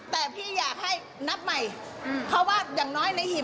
แต่พี่อยากให้นับใหม่เพราะว่าอย่างน้อยในหิน